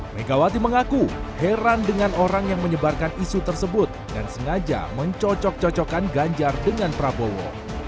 megawati mengaku heran dengan orang yang menyebarkan isu tersebut dan sengaja mencocok cocokkan ganjar dengan prabowo